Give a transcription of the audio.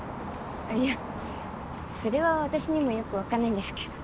いやそれは私にもよく分かんないんですけど。